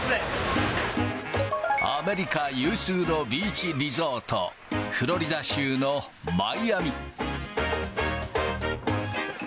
アメリカ有数のビーチリゾート、フロリダ州のマイアミ。